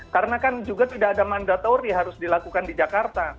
karena kan juga tidak ada mandatori harus dilakukan di jakarta